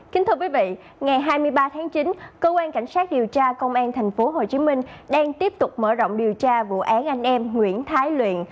kính thưa quý vị ngày hai mươi ba tháng chín cơ quan cảnh sát điều tra công an tp hcm đang tiếp tục mở rộng điều tra vụ án anh em nguyễn thái luyện